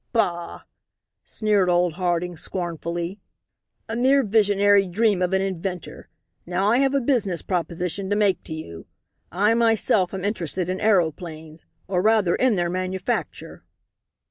"Bah!" sneered old Harding, scornfully, "a mere visionary dream of an inventor. Now I have a business proposition to make to you. I myself am interested in aeroplanes or rather in their manufacture."